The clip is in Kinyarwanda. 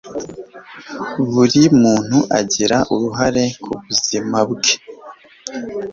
buri muntu agira uruhare ku buzima bwe